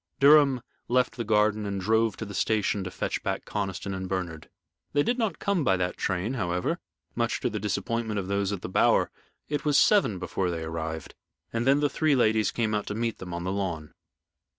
Durham left the garden and drove to the station to fetch back Conniston and Bernard. They did not come by that train, however, much to the disappointment of those at the Bower. It was seven before they arrived, and then the three ladies came out to meet them on the lawn.